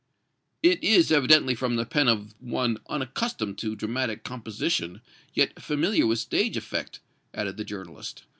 "It is evidently from the pen of one unaccustomed to dramatic composition, yet familiar with stage effect," added the journalist.